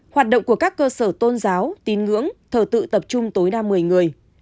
hoạt động của các cơ sở tôn giáo tín ngưỡng thờ tự tập trung tối đa một mươi người